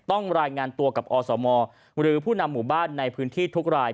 รายงานตัวกับอสมหรือผู้นำหมู่บ้านในพื้นที่ทุกราย